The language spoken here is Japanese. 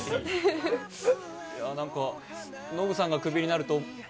なんか、ノブさんがクビにな